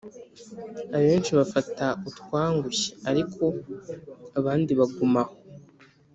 abenshi bafata utwangushye, ariko abandi baguma aho,